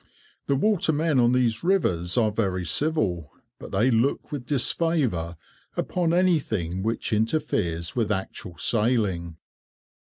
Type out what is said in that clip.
The watermen on these rivers are very civil, but they look with disfavour upon anything which interferes with actual sailing.